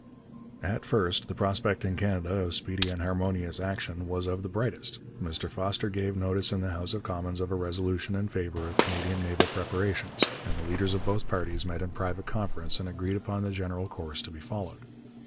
At first the prospect in Canada of speedy and harmonious action was of the brightest. Mr Foster gave notice in the House of Commons of a resolution in favour of Canadian naval preparations, and the leaders of both parties met in private conference and agreed upon the general course to be followed.